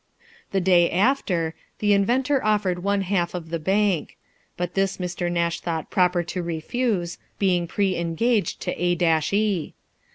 The day after, the inventor offered one half of the bank; but this Mr. Nash thought proper to refuse, being pre engaged to A e.